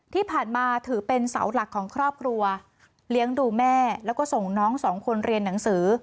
ที่ผ่านมาถือเป็นเสาหลักของครอบครัวเลี้ยงดูแม่แล้วก็ส่งน้องสองคนเรียนหนังสือ